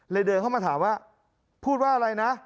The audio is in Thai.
เดินเข้ามาถามว่าพูดว่าอะไรนะ